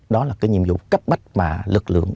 đó là cái nhiệm vụ cấp bách mà lực lượng